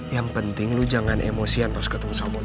yang penting lo jangan emosian pas ketemu sama bondi